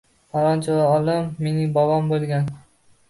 “Falonchi olim mening bobom bo‘lgan.